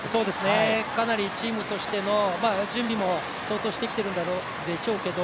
かなりチームとしての準備も相当してきてるんでしょうけど